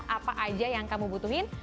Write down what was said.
apa aja yang kamu butuhin